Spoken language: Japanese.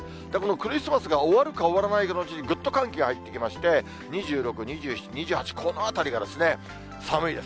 クリスマスが終わるか終わらないかのうちに、ぐっと寒気が入ってきまして、２６、２７、２８、このあたりがですね、寒いです。